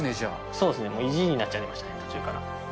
そうですね、もう意地になっちゃいましたね、途中から。